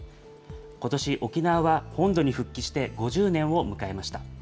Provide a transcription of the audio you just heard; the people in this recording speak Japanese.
ことし、沖縄は本土に復帰して５０年を迎えました。